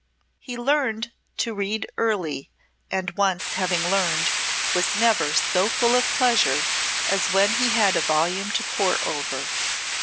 He learned to read early, and once having learned, was never so full of pleasure as when he had a volume to pore over.